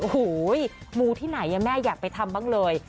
โอ้โหมูที่ไหนแม่อยากไปทำบ้างเลย